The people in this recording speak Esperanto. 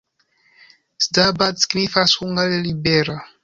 Szabad signifas hungare: libera.